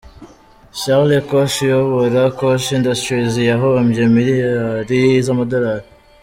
Charles Koch, uyobora Koch Industries, yahombye miliyari z’amadolari.